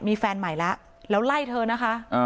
มีแฟนใหม่แล้วแล้วไล่เธอนะคะ